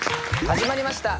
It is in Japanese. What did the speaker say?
始まりました